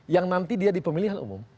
yang nanti dia di pemilihan umum